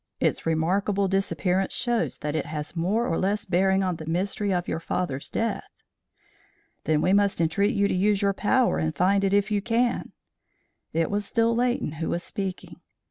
Its remarkable disappearance shows that it has more or less bearing on the mystery of your father's death." "Then we must entreat you to use your power and find it if you can." It was still Leighton who was speaking.